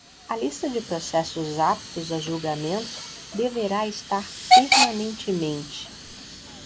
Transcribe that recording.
A lista de processos aptos a julgamento deverá estar permanentemente